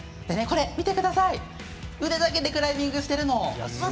見てください、腕だけでクライミングしている！